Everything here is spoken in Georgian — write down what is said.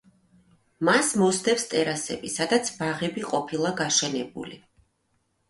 მას მოსდევს ტერასები, სადაც ბაღები ყოფილა გაშენებული.